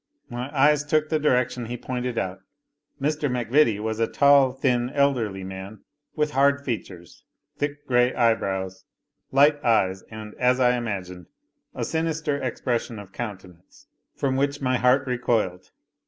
My eyes took the direction he pointed out. Mr. MacVittie was a tall, thin, elderly man, with hard features, thick grey eyebrows, light eyes, and, as I imagined, a sinister expression of countenance, from which my heart recoiled.